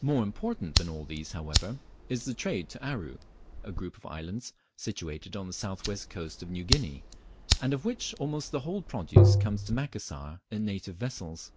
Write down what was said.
More important than all these however is the trade to Aru, a group of islands situated on the south west coast of New Guinea, and of which almost the whole produce comes to Macassar in native vessels.